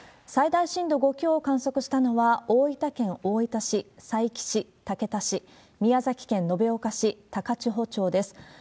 最大震度５強を観測したのは、大分県大分市、佐伯市、竹田市、宮崎県延岡市、高千穂町です。